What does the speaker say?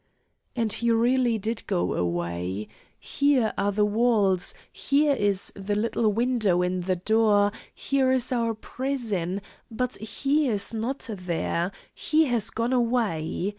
And he really did go away. Here are the walls, here is the little window in the door, here is our prison, but he is not there; he has gone away.